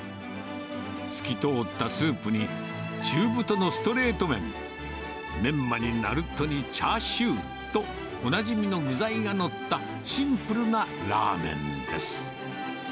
透き通ったスープに中太のストレート麺、メンマにナルトにチャーシューと、おなじみの具材が載った、シンプルなラーメンです。